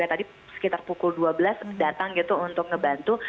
tadi sekitar pukul dua belas datang gitu untuk ngebantu